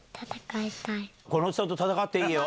このおじさんと戦っていいよ。